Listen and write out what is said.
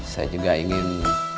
saya juga ingin